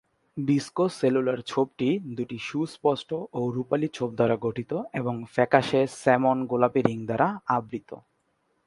Discocellular ছোপটি দুটি সুস্পষ্ট ও রুপালি ছোপ দ্বারা গঠিত এবং ফ্যাকাশে স্যামন-গোলাপি রিং দ্বারা আবৃত।